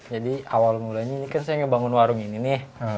jadi awal mulanya ini kan saya ngebangun warung ini nih